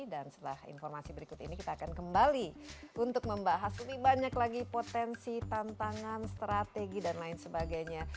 dan setelah informasi berikut ini kita akan kembali untuk membahas lebih banyak lagi potensi tantangan strategi dan lain sebagainya